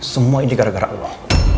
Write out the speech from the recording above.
semua ini gara gara allah